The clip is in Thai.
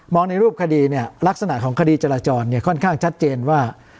ในรูปคดีเนี่ยลักษณะของคดีจราจรเนี่ยค่อนข้างชัดเจนว่า